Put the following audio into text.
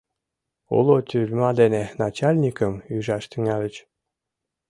Уло тюрьма дене начальникым ӱжаш тӱҥальыч.